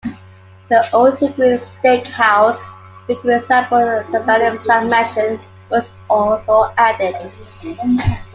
The Old Hickory Steak House, built to resemble an antebellum-style mansion, was also added.